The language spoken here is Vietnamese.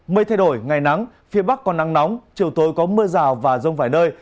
mây thay đổi ngày nắng phía bắc còn nắng nóng chiều tối có mưa rào và rông vải nơi